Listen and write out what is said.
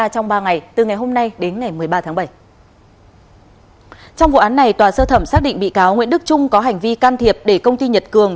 trong vụ án này tòa sơ thẩm xác định bị cáo nguyễn đức trung có hành vi can thiệp để công ty nhật cường